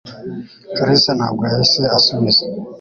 Kalisa ntabwo yahise asubiza